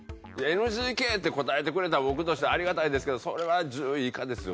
ＮＧＫって答えてくれたら僕としてはありがたいですけどそれは１０位以下ですよ。